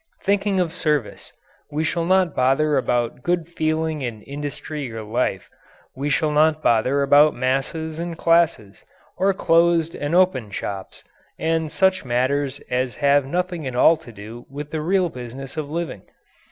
Thinking of service, we shall not bother about good feeling in industry or life; we shall not bother about masses and classes, or closed and open shops, and such matters as have nothing at all to do with the real business of living.